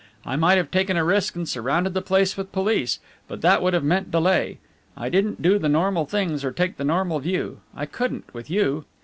I might have taken a risk and surrounded the place with police, but that would have meant delay. I didn't do the normal things or take the normal view I couldn't with you."